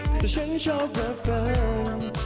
แต่ฉันชอบแบบเฟิร์ม